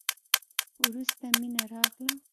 وروسته مينه راغله.